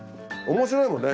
面白いもんね。